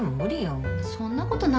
そんなことないよね？